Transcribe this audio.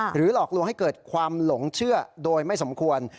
หลอกลวงให้เกิดความหลงเชื่อโดยไม่สมควร